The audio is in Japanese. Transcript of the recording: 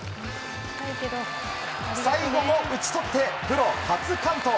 最後も打ち取ってプロ初完投。